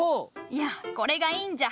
いやこれがいいんじゃ。